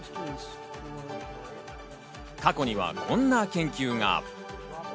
過去にはこんな研究が。